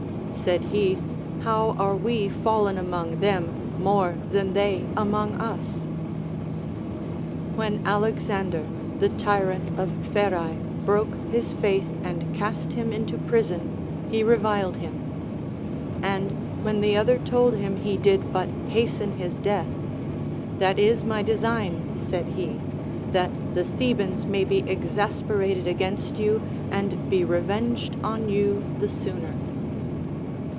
Said he, How are Ave fallen among them, more than they among us 1 When Alexander, the tyrant of Pherae, broke his faith and cast him into prison, he reviled him ; and when the other told him he did but hasten his death, That is my design, said he, that the Thebans may be exas perated against you, and be revenged on you the sooner.